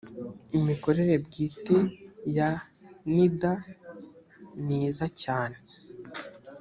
imikorere bwite ya nida niza cyane.